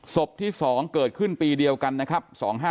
ศพที่๒เกิดขึ้นปีเดียวกันนะครับ